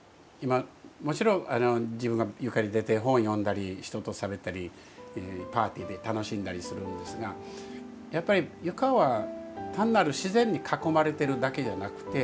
もちろん自分が床に出て本を読んだり人としゃべったりパーティーで楽しんだりするんですがやっぱり床は単なる自然に囲まれてるだけじゃなくて